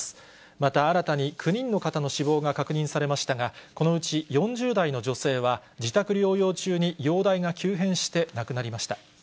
また、新たに９人の方の死亡が確認されましたが、このうち４０代の女性は、自宅療養中に容体が急変して亡くなりました。